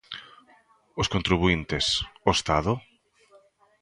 Os contribuíntes, o Estado?